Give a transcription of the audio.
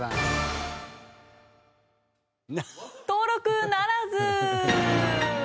登録ならず。